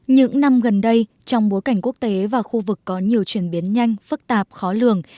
những năm gần đây trong bối cảnh quốc tế và khu vực có nhiều chuyển biến nhanh phức tạp khó lường